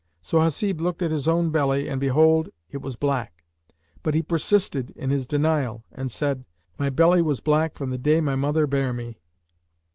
So Hasib looked at his own belly and behold, it was black: but he persisted in his denial and said, "My belly was black from the day my mother bare me."